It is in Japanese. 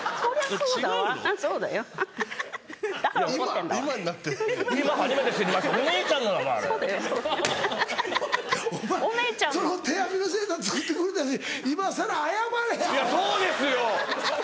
そうですよ！